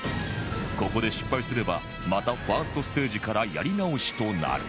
ここで失敗すればまた １ｓｔ ステージからやり直しとなる